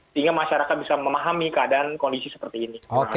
sehingga masyarakat bisa memahami keadaan kondisi seperti ini